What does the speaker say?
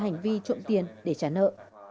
hành vi trộm tiền để trả nợ